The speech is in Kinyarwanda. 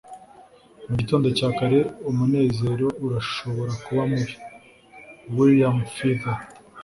mu gitondo cya kare umunezero urashobora kuba mubi. - william feather